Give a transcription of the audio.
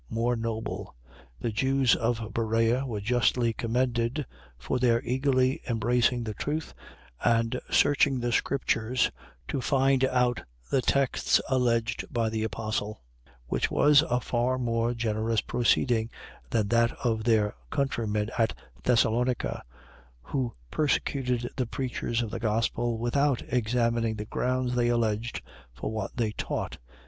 More noble. . .The Jews of Berea are justly commended, for their eagerly embracing the truth, and searching the scriptures, to find out the texts alleged by the apostle: which was a far more generous proceeding than that of their countrymen at Thessalonica, who persecuted the preachers of the gospel, without examining the grounds they alleged for what they taught.